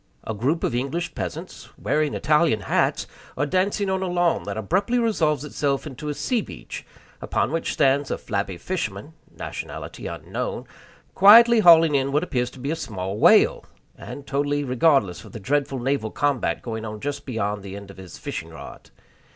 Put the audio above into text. A group of English peasants, wearing Italian hats, are dancing on a lawn that abruptly resolves itself into a sea beach, upon which stands a flabby fisherman (nationality unknown), quietly hauling in what appears to be a small whale, and totally regardless of the dreadful naval combat going on just beyond the end of his fishing rod.